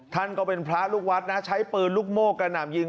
ท่านก็เป็นพระลูกวัดนะใช้ปืนลูกโม่กระหน่ำยิง